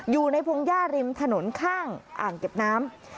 พงหญ้าริมถนนข้างอ่างเก็บน้ำ